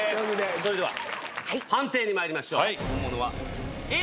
それでは判定にまいりましょう。